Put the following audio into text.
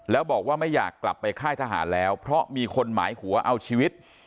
แล้วบอกว่าไม่อยากกลับไปค่ายทหารแล้วเพราะมีคนหมายหัวเอาชีวิต